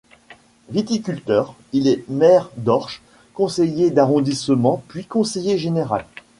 Viticulteur, il est maire d'Orches, conseiller d'arrondissement puis conseiller général.